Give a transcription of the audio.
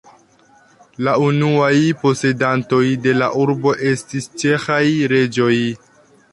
La unuaj posedantoj de la urbo estis ĉeĥaj reĝoj.